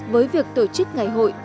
với việc tổ chức ngày hội tự kỷ